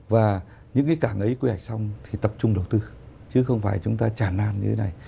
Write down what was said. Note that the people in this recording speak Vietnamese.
và những cái cảng ấy quy hoạch xong thì tập trung đầu tư chứ không phải chúng ta chản nan như thế này